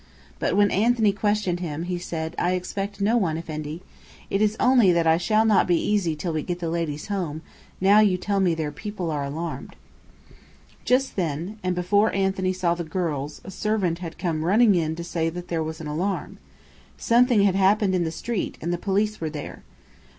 But when Anthony questioned him, he said, "I expect no one, Effendi. It is only that I shall not be easy till we get the ladies home, now you tell me their people are alarmed." Just then, and before Anthony saw the girls, a servant had come running in to say that there was an alarm. Something had happened in the street, and the police were there.